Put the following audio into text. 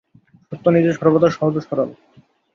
সত্য নিজে সর্বদা সহজ ও সরল।